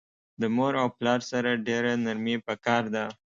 د مور او پلار سره ډیره نرمی پکار ده